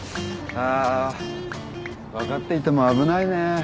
あ分かっていても危ないね。